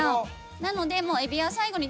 なのでエビは最後に。